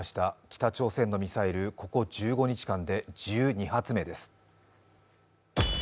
北朝鮮のミサイル、ここ１５日間で１２発目です。